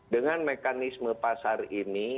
dengan mekanisme pasar ini